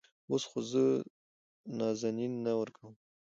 اوس خو زه نازنين نه ورکوم.